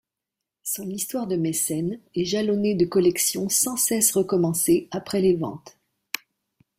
Son histoire de mécène est jalonnée de collections sans cesse recommencées après les ventes.